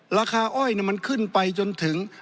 อ้อยมันขึ้นไปจนถึง